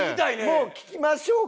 もう聴きましょうか。